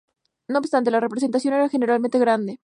No obstante, la representación era generalmente grande.